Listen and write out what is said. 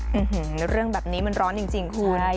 อฮือหือเรื่องแบบนี้มันร้อนจริงจริงคุณ